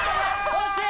惜しい！